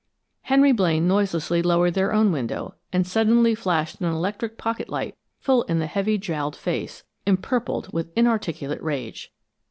Henry Blaine noiselessly lowered their own window, and suddenly flashed an electric pocket light full in the heavy jowled face, empurpled with inarticulate rage.